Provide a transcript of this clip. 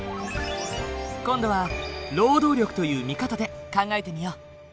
今度は労働力という見方で考えてみよう。